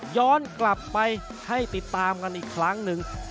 ย้อนกลับไปให้ติดตามกันอีกครั้งหนึ่ง